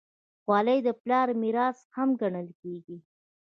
خولۍ د پلار میراث هم ګڼل کېږي.